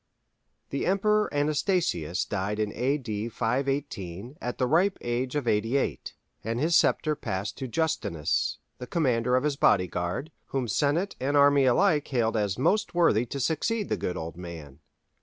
The Emperor Anastasius died in A.D. 518 at the ripe age of eighty eight, and his sceptre passed to Justinus, the commander of his body guard, whom Senate and army alike hailed as most worthy to succeed the good old man.